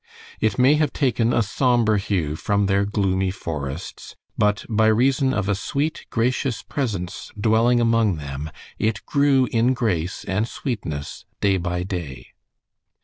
It may have taken a somber hue from their gloomy forests, but by reason of a sweet, gracious presence dwelling among them it grew in grace and sweetness day by day.